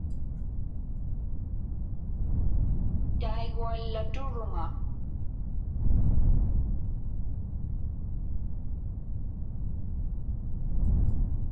Taiguallaturuŋa.